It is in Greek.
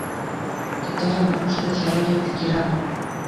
Και τώρα ν' ακούσω τέτοια λόγια από την κυρά μου